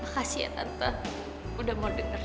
makasih ya tante udah mau dengerin